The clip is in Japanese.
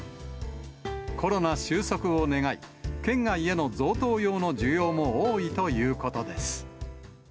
コロナ収束を願い、県外への贈答用の需要も多いということです。